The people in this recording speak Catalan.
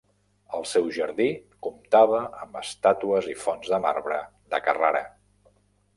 El seu jardí comptava amb estàtues i fonts de marbre de Carrara.